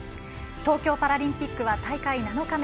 東京パラリンピックは大会７日目。